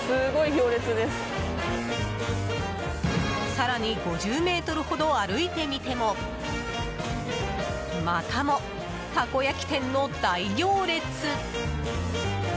更に５０ｍほど歩いてみてもまたも、たこ焼き店の大行列。